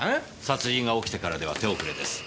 殺人が起きてからでは手遅れです。